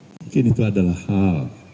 mungkin itu adalah hal